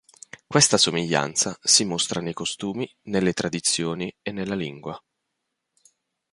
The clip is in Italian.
Questa somiglianza si mostra nei costumi, nelle tradizioni e nella lingua.